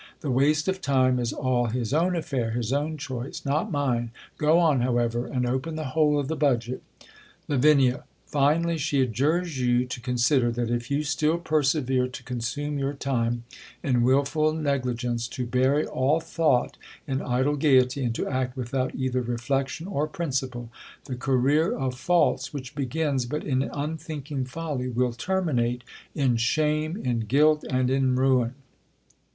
The waste of time is all his own atfair, his own choice, not mine. Go on, however, and open the whole of the feudgct. Lav, Finally, she adjures you to consider, that i{ you still persevere to consume your time in wilful neg ligence, to bury all thought in idle gaiety, and to act without either reflection or principle, the career of faults which begins but in unthinking folly, will termi nate in shame, in guilt and in ruin